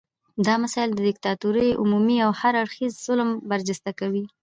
دا مسایل د دیکتاتورۍ عمومي او هر اړخیز ظلم برجسته کوي.